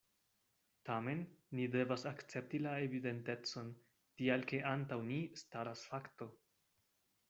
Tamen ni devas akcepti la evidentecon, tial ke antaŭ ni staras fakto.